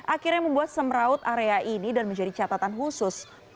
akhirnya membuat semeraut area ini dan menjadi catatan khusus